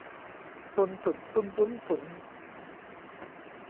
ตุน ตุ่น ตุ้น ตุ๊น ตุ๋น